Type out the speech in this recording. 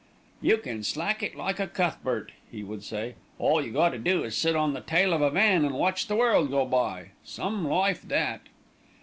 "You can slack it like a Cuthbert," he would say. "All you 'as to do is to sit on the tail of a van an' watch the world go by some life that."